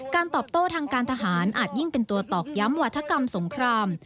ตอบโต้ทางการทหารอาจยิ่งเป็นตัวตอกย้ำวัฒกรรมสงคราม